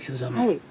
はい。